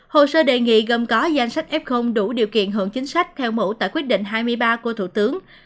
hồ sơ đề nghị gồm có danh sách f đủ điều kiện hưởng chính sách theo mẫu tại quyết định hai mươi ba của thủ tướng